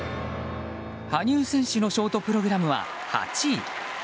羽生選手のショートプログラムは８位。